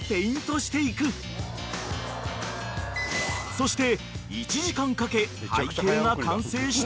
［そして］